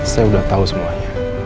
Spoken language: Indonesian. saya udah tau semuanya